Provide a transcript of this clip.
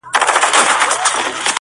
چي به پورته سوې څپې او لوی موجونه -